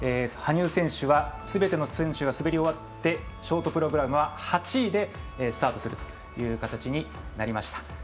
羽生選手はすべての選手が滑り終わってショートプログラムは８位でスタートするという形になりました。